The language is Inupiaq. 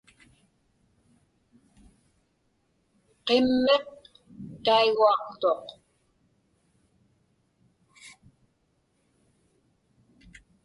Qimmiq taiguaqtuq.